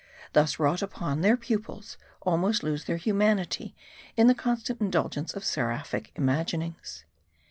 Thus wrought upon, their pupils almost lose their human ity in the constant indulgence of seraphic imaginings.